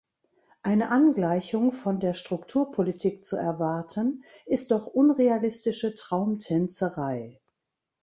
Eine Angleichung von der Strukturpolitik zu erwarten, ist doch unrealistische Traumtänzerei!